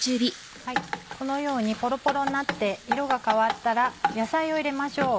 このようにポロポロになって色が変わったら野菜を入れましょう。